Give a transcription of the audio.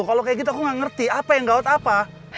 kalau kayak gitu aku gak ngerti apa yang gawat apa